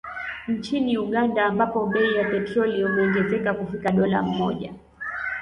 Nchini Uganda ambapo bei ya petroli imeongezeka kufikia dola mmoja